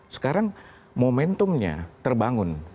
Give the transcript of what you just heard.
sekarang momentumnya terbangun